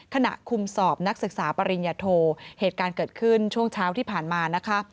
ขณะคุมสอบนักศึกษาปริญญาโทเหตุการณ์เกิดขึ้นช่วงเช้าที่ผ่านมานะคะ